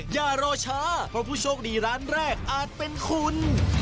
อย่ารอช้าเพราะผู้โชคดีร้านแรกอาจเป็นคุณ